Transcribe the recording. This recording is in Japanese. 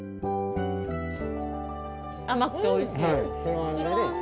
甘くておいしい。